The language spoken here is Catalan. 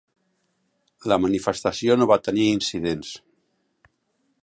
La manifestació no va tenir incidents